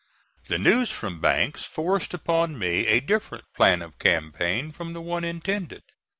The news from Banks forced upon me a different plan of campaign from the one intended.